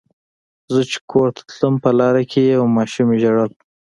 زه چې کور ته تلم په لاره کې یوې ماشومې ژړل.